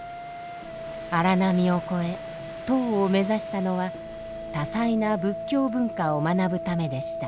荒波を越え唐を目指したのは多彩な仏教文化を学ぶためでした。